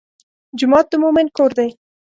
جومات د مؤمن کور دی.